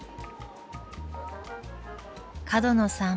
角野さん